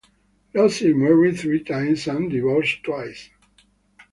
Losey married three times and divorced twice.